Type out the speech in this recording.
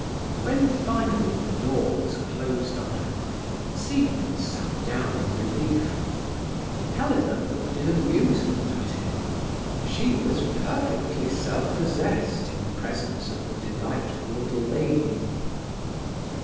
When finally the door was closed on her, Siegmund sat down in relief. Helena looked in amusement at him. She was perfectly self possessed in presence of the delightful little lady.